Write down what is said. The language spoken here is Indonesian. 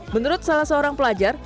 menurut salah seorang pelajar